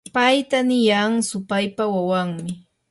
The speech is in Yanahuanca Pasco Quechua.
payta niyan supaypa wawanmi.